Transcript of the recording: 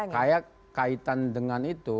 kayak kaitan dengan itu